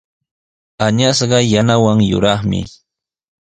Añasqa yanawan yuraqmi.